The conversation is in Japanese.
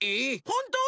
ほんと？